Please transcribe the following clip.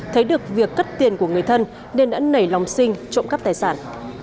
thấy được việc cất tiền của người thân nên đã nảy lòng sinh trộm cắp tài sản